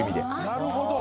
なるほど！